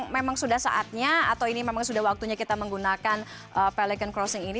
memang sudah saatnya atau ini memang sudah waktunya kita menggunakan pelikan crossing ini